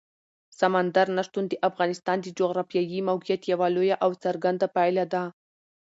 سمندر نه شتون د افغانستان د جغرافیایي موقیعت یوه لویه او څرګنده پایله ده.